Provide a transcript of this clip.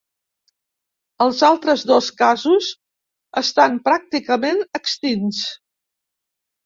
Els altres dos casos estan pràcticament extints.